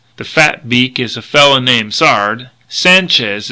The fat beak is a fella named Sard.